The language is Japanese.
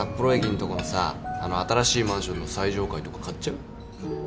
このさあの新しいマンションの最上階とか買っちゃう？